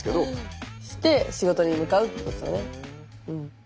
して仕事に向かうってことだね。